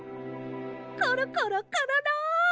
コロコロコロロ！